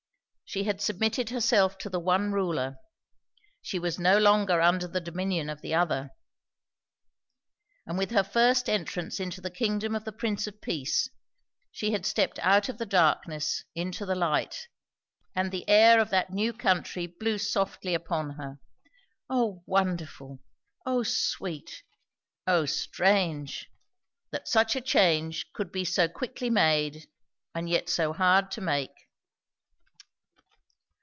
She had submitted herself to the one Ruler; she was no longer under the dominion of the other. And with her first entrance into the kingdom of the Prince of peace, she had stepped out of the darkness into the light, and the air of that new country blew softly upon her. O wonderful! O sweet! O strange! that such a change should be so quickly made, and yet so hard to make.